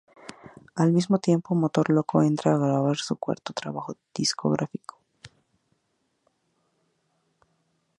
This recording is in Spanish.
Al mismo tiempo, Motor Loco entra a grabar su cuarto trabajo discográfico.